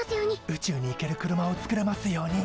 宇宙に行ける車を作れますように！